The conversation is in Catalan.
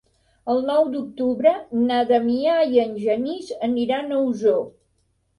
El nou d'octubre na Damià i en Genís aniran a Osor.